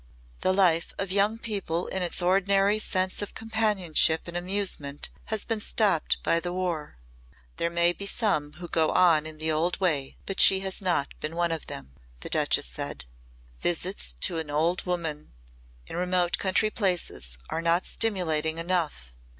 "The life of the young people in its ordinary sense of companionship and amusement has been stopped by the War. There may be some who go on in the old way but she has not been one of them," the Duchess said. "Visits to old women in remote country places are not stimulating enough.